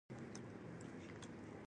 په کلي کې دا چای ډېر مشهور شوی دی.